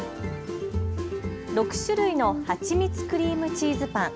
６種類のはちみつクリームチーズパン。